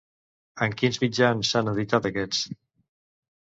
En quins mitjans s'han editat aquests?